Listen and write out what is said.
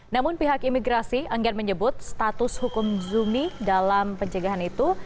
namun pihak imigrasi enggan menyebut status hukum zumi dalam pencegahan itu